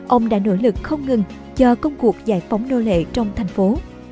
ông đã nỗ lực không ngừng cho công cuộc giải phóng nô lệ trong thành phố